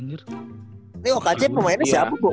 ini okc pemainnya siapa bu